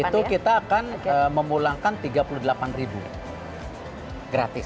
itu kita akan memulangkan rp tiga puluh delapan gratis